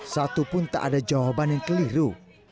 satupun tak ada jawaban yang keliru